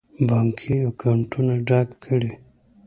بانکي اکاونټونه ډک کړي.